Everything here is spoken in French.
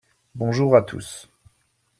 Bonjour à tous.